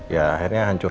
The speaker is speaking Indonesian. ya akhirnya hancur